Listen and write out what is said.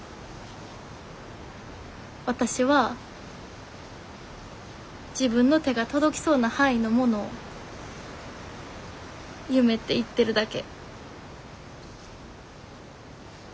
わたしは自分の手が届きそうな範囲のものを「夢」って言ってるだけ。